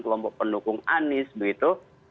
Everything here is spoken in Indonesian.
kelompok pendukung anies begitu